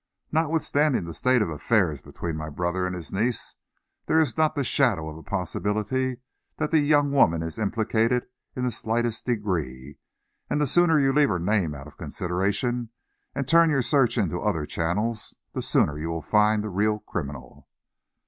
Notwithstanding the state of affairs between my brother and his niece, there is not the shadow of a possibility that the young woman is implicated in the slightest degree, and the sooner you leave her name out of consideration, and turn your search into other channels, the sooner you will find the real criminal."